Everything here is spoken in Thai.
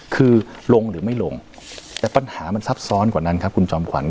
คือลงหรือไม่ลงแต่ปัญหามันซับซ้อนกว่านั้นครับคุณจอมขวัญ